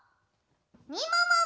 みももも。